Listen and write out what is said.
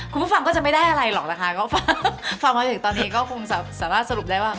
คุณผู้ฟังก็จะไม่ได้อะไรหรอกนะคะก็ฟังมาถึงตอนนี้ก็คงสามารถสรุปได้ว่า